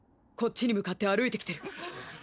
こっちに向かって歩いてきてる。